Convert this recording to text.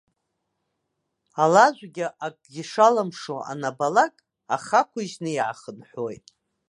Алажәгьы акгьы шалымшо анабалак, ахы ақәыжьны иаахынҳәуеит.